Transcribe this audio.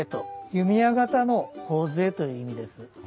弓矢型の頬杖という意味です。